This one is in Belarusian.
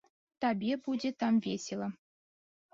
Табе будзе там весела.